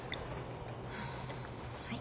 はい。